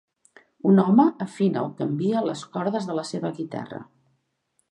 Un home afina o canvia les cordes de la seva guitarra.